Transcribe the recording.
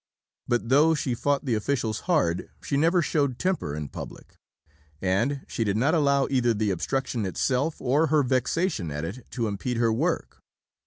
But, though she fought the officials hard, she never showed temper in public, and she did not allow either the obstruction itself or her vexation at it to impede her work.